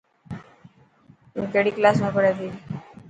تون ڪهڙي ڪلاس ۾ پهڙي ٿي.